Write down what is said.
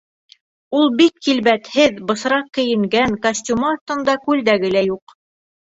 Ул бик килбәтһеҙ, бысраҡ кейенгән, костюмы аҫтында күлдәге лә юҡ.